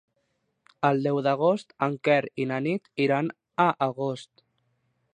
El deu d'agost en Quer i na Nit iran a Agost.